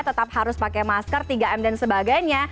tetap harus pakai masker tiga m dan sebagainya